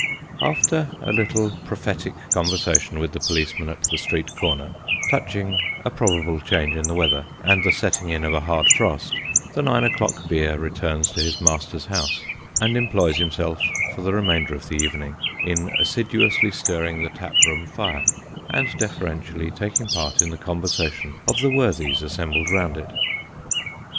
After a little prophetic conversation with the policeman at the street corner, touching a probable change in the weather, and the sotting in of a hard frost, the nine o'clock beer returns to his master's house, and employs himself for the remainder of the evening, in assiduously stirring the tap room fire, and deferentially taking part in the conversation of the worthies assembled round it.